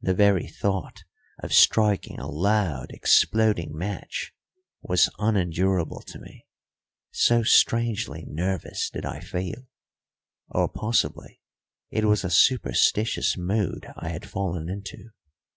The very thought of striking a loud, exploding match was unendurable to me, so strangely nervous did I feel. Or possibly it was a superstitious mood I had fallen into.